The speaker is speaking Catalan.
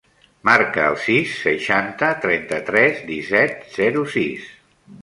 Marca el sis, seixanta, trenta-tres, disset, zero, sis.